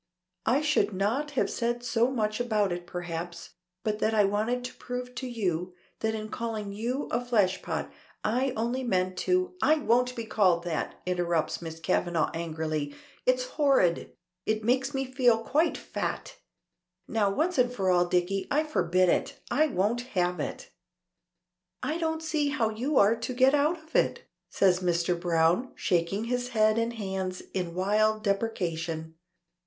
"I should not have said so much about it perhaps but that I wanted to prove to you that in calling you a fleshpot I only meant to " "I won't be called that," interrupts Miss Kavanagh angrily. "It's horrid! It makes me feel quite fat! Now, once for all, Dicky, I forbid it. I won't have it." "I don't see how you are to get out of it," says Mr. Browne, shaking his head and hands in wild deprecation.